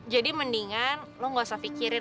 jadi mendingan lo ga usah fikirin